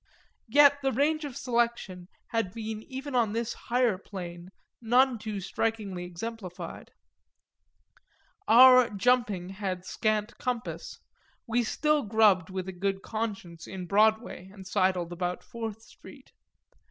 Yet the range of selection had been even on this higher plane none too strikingly exemplified; our jumping had scant compass we still grubbed with a good conscience in Broadway and sidled about Fourth Street.